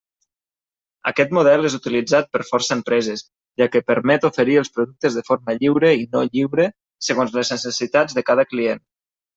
Aquest model és utilitzat per força empreses, ja que permet oferir els productes de forma lliure i no lliure segons les necessitats de cada client.